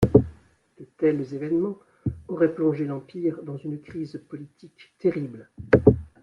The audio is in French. De tels événements auraient plongé l'Empire dans une crise politique terrible.